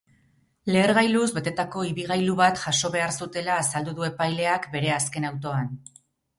Lehergailuz betetako ibilgailu bat jaso behar zutela azaldu du epaileak bere azken autoan.